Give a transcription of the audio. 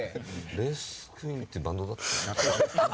レースクイーンってバンドだった。